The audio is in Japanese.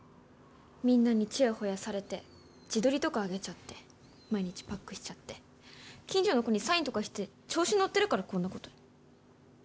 みんなにちやほやされて自撮りとかあげちゃって毎日パックしちゃって近所の子にサインとかして調子乗ってるからこんなことに。